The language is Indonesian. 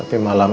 tapi malam ini